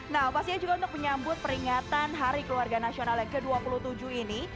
nah pastinya juga untuk menyambut peringatan hari keluarga nasional yang ke dua puluh tujuh ini